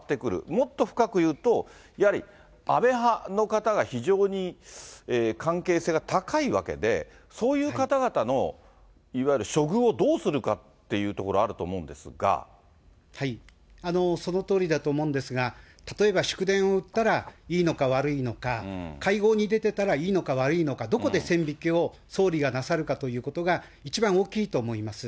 もっと深く言うと、やはり安倍派の方が非常に関係性が高いわけで、そういう方々のいわゆる処遇をどうするかっていうところあると思そのとおりだと思うんですが、例えば祝電を打ったらいいのか悪いのか、会合に出てたらいいのか悪いのか、どこで線引きを総理がなさるかということが一番大きいと思います。